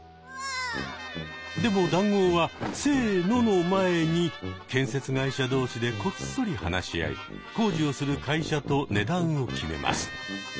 でも談合は「せの！」の前に建設会社同士でこっそり話し合い工事をする会社と値段を決めます。